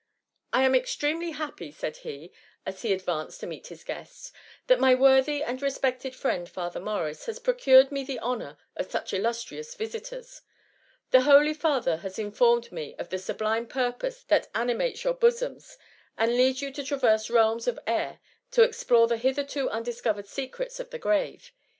*^ I am extremely happy ,^ said he, as he ad vanced to meet his guests, ^^ that my worthy and respected friend Father Morris, has pro cured me the honour of such illustrious visitors. The holy father has informed me of the sublime purpose that animates your bosoms, and leads you to traverse realms of air, to explore the hitherto undiscovered secrets of the grave.